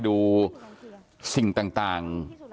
อยู่ดีมาตายแบบเปลือยคาห้องน้ำได้ยังไง